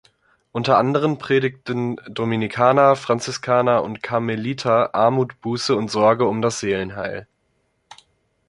Unter anderen predigten Dominikaner, Franziskaner und Karmeliter Armut, Buße und Sorge um das Seelenheil.